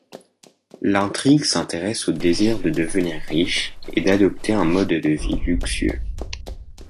L'intrigue s'intéresse au désir de devenir riche et d'adopter un mode de vie luxueux.